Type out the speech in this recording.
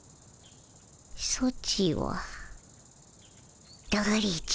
ソチはだれじゃ？